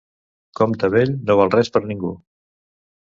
Compte vell no val res per ningú.